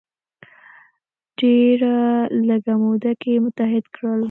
ډیره لږه موده کې متحد کړل.